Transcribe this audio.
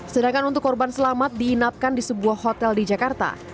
sedangkan untuk korban selamat diinapkan di sebuah hotel di jakarta